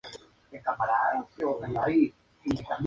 Fue nombrado comandante de las tropas de esa provincia.